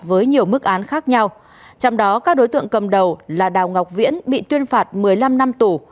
với nhiều mức án khác nhau trong đó các đối tượng cầm đầu là đào ngọc viễn bị tuyên phạt một mươi năm năm tù